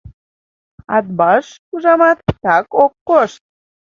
— Атбаш, ужамат, так ок кошт...